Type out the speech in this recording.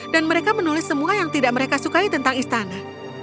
dan mereka menulis semua yang tidak mereka sukai tentang istana